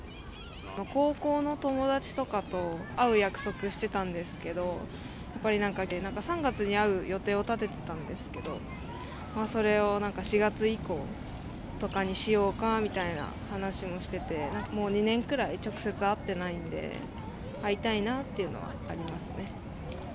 高校の友達とかと会う約束してたんですけど、やっぱりなんか、３月に会う予定を立ててたんですけど、それを４月以降とかにしようかみたいな話もしてて、もう２年くらい、直接会ってないんで、会いたいなっていうのはありますね。